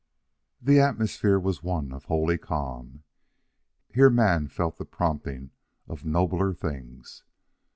The atmosphere was one of holy calm. Here man felt the prompting of nobler things.